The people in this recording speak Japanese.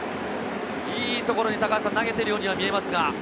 いいところに投げているようには見えますが。